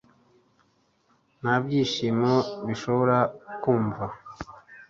nta byishimo bishobora kumva